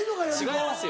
違いますよ。